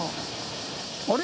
あれ？